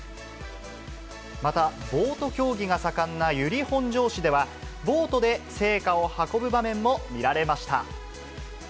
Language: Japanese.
また、ボート競技が盛んな由利本荘市では、ボートで聖火を運ぶ場面も見られました。